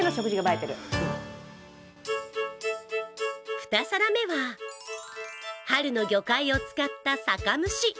２皿目は、春の魚介を使った酒蒸し。